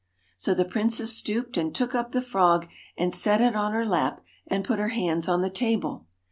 So the princess stooped and took up the frog and set it on her lap and put her hands on the table.